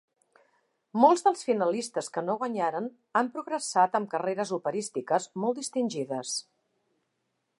Molts dels finalistes que no guanyaren han progressat amb carreres operístiques molt distingides.